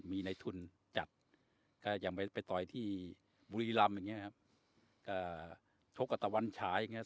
มีในทุนจัดก็อย่างไปไปต่อยที่บุรีรำอย่างเงี้ครับชกกับตะวันฉายอย่างเงี้